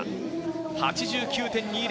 ８９．２０。